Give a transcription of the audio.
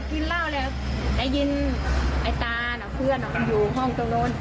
กินเหล้าแล้วไอ้ยินไอ้ตาเพื่อนอยู่ห้องตรงโน้น